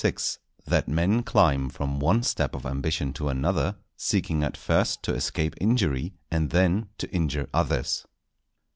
—_That Men climb from one step of Ambition to another, seeking at first to escape Injury and then to injure others.